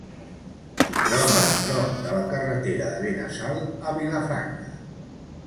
S'hi troba prop de la carretera de Benassal a Vilafranca.